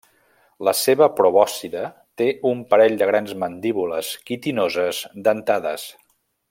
La seva probòscide té un parell de grans mandíbules quitinoses dentades.